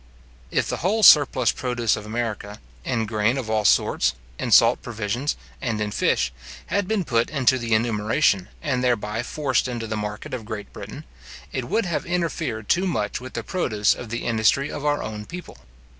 If the whole surplus produce of America, in grain of all sorts, in salt provisions, and in fish, had been put into the enumeration, and thereby forced into the market of Great Britain, it would have interfered too much with the produce of the industry of our own people.